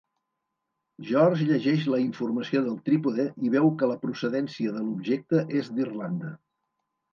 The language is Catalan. George llegeix la informació del trípode i veu que la procedència de l'objecte és d'Irlanda.